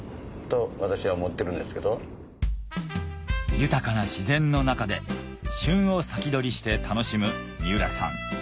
豊かな自然の中で旬を先取りして楽しむ三浦さん